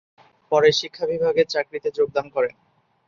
পরে শিক্ষা বিভাগে চাকরিতে যোগদান করেন।